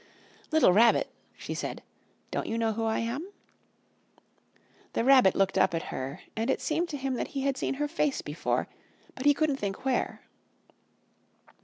"Little Rabbit," she said, "don't you know who I am?" The Rabbit looked up at her, and it seemed to him that he had seen her face before, but he couldn't think where.